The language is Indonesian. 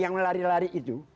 yang lari lari itu